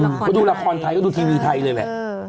เขาดูละครไทยก็ดูทีวีไทยเลยแหละ